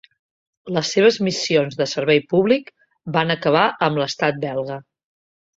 Les seves missions de servei públic van acabar amb l'Estat belga.